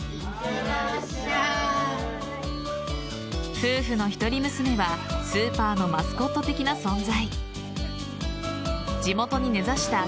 夫婦の１人娘はスーパーのマスコット的な存在。